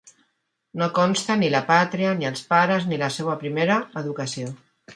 No consta ni la pàtria, ni els pares, ni la seua primera educació.